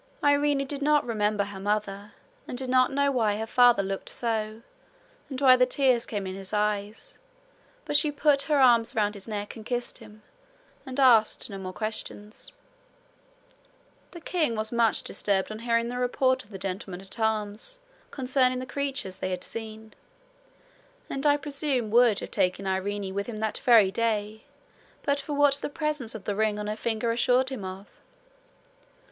Irene did not remember her mother and did not know why her father looked so, and why the tears came in his eyes; but she put her arms round his neck and kissed him, and asked no more questions. The king was much disturbed on hearing the report of the gentlemen at arms concerning the creatures they had seen; and I presume would have taken Irene with him that very day, but for what the presence of the ring on her finger assured him of.